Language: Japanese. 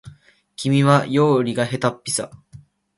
君は料理がへたっぴさ